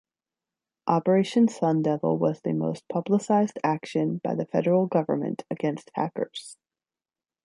Operation Sundevil was the most publicized action by the federal government against hackers.